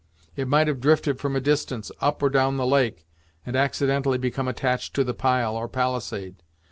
It might have drifted from a distance, up or down the lake, and accidentally become attached to the pile, or palisade.